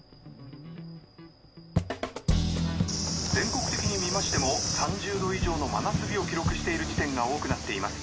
全国的に見ましても３０度以上の真夏日を記録している地点が多くなっています